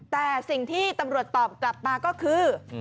แต่สิ่งที่ตำรวจตอบกลับมาก็คือ